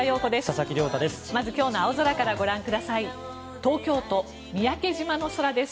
佐々木亮太です。